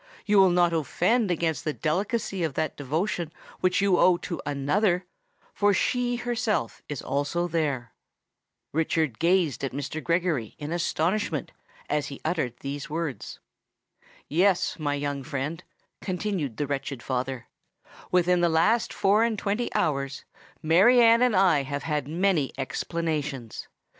You will not offend against the delicacy of that devotion which you owe to another; for she herself is also there." Richard gazed at Mr. Gregory in astonishment as he uttered these words. "Yes, my young friend," continued the wretched father; "within the last four and twenty hours, Mary Anne and I have had many explanations.